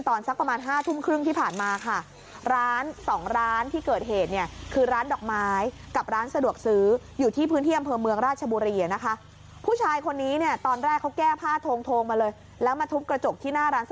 ตอนสักประมาณ๕ทุ่มครึ่งที่ผ่านมาค่ะ